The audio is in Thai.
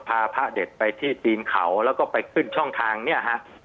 พระเด็ดไปที่ตีนเขาแล้วก็ไปขึ้นช่องทางเนี่ยฮะ